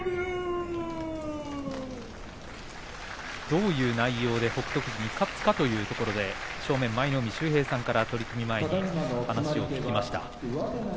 どういう内容で北勝富士に勝つかというところで正面、舞の海秀平さんから取組前に話を聞きました。